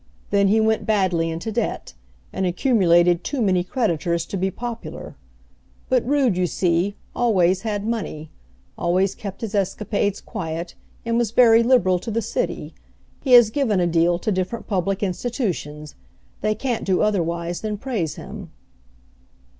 Then he went badly into debt, and accumulated too many creditors to be popular. But Rood, you see, always had money, always kept his escapades quiet, and was very liberal to the city. He has given a deal to different public institutions. They can't do otherwise than praise him."